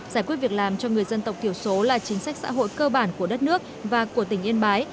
giải quyết việc làm cho người dân tộc thiểu số là chính sách xã hội cơ bản của đất nước và của tỉnh yên bái